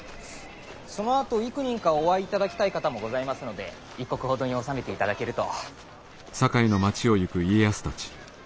そのあと幾人かお会いいただきたい方もございますので一刻ほどに収めていただけると。